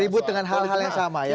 ribut dengan hal hal yang sama ya